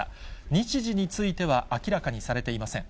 日時については明らかにされていません。